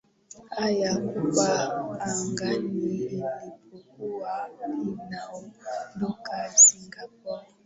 a ya kupaa angani ilipokuwa inaondoka singapore